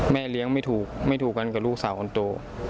เลี้ยงไม่ถูกไม่ถูกกันกับลูกสาวคนโต